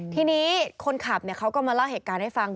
ทีนี้คนขับเขาก็มาเล่าเหตุการณ์ให้ฟัง